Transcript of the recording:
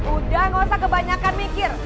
udah gak usah kebanyakan mikir